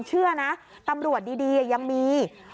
เชื่อนะตำรวจดียังมี